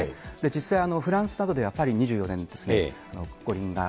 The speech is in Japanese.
実際、フランスなどではパリ２４年ですね、五輪が。